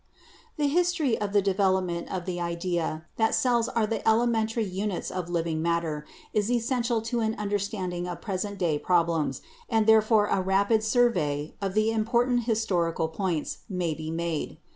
The history of the development of the idea that cells are the elementary units of living matter is essential to an understanding of present day problems, and therefore a rapid survey of the important historical points may be made.